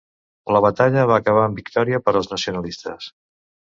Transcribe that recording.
La batalla va acabar en victòria per als nacionalistes.